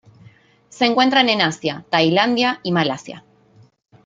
Se encuentran en Asia: Tailandia y Malasia.